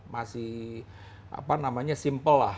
masih apa namanya simpel lah